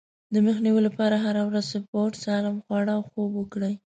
د مخنيوي لپاره هره ورځ سپورت، سالم خواړه او خوب وکړئ.